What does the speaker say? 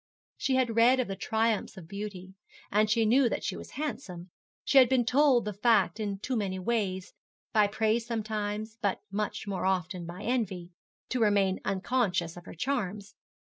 She had read of the triumphs of beauty, and she knew that she was handsome. She had been told the fact in too many ways by praise sometimes, but much more often by envy to remain unconscious of her charms.